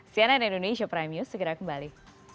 cnn indonesia prime news segera kembali